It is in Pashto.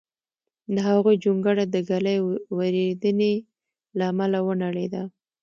د هغوی جونګړه د ږلۍ وریدېنې له امله ونړېده